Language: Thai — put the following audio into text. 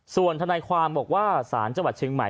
ส่วนทนายความบอกว่าสารจังหวัดเชียงใหม่